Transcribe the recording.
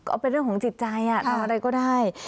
ก็เป็นเรื่องของจิตใจทำอะไรก็ได้